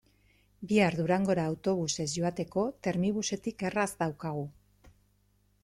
Bihar Durangora autobusez joateko Termibusetik erraz daukagu.